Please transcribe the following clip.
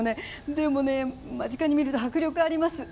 でも、間近に見ると迫力あります。